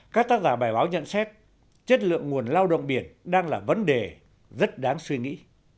các tác giả bài báo nhận xét chất lượng nguồn lao động biển đang là vấn đề rất đáng suy nghĩ